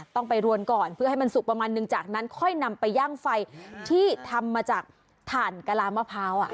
ต้องไปรวนก่อนเพื่อให้มันสุกประมาณนึงจากนั้นค่อยนำไปย่างไฟที่ทำมาจากถ่านกะลามะพร้าว